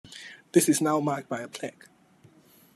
This is now marked by a plaque.